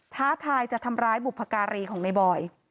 ท้าทายจะทำร้ายบุพการีของในบอย